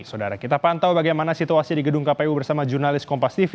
saudara kita pantau bagaimana situasi di gedung kpu bersama jurnalis kompas tv